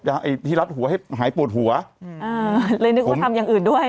ไอ้ที่รัดหัวให้หายปวดหัวอืมอ่าเลยนึกว่าทำอย่างอื่นด้วย